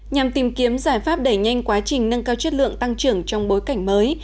nhằm tìm kiếm giải pháp đẩy nhanh quá trình nâng cao chất lượng tăng trưởng trong bối cảnh mới